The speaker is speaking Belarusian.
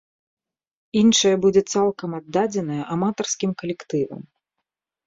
Іншая будзе цалкам аддадзеная аматарскім калектывам.